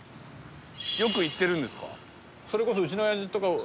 よく行ってるんですか？